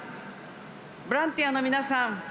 ボランティアの皆さん